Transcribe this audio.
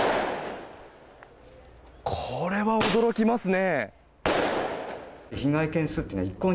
これは驚きますね。